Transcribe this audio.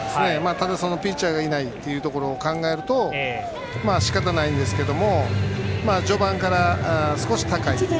ただ、ピッチャーがいないことを考えるとしかたないんですけども序盤から少し高い。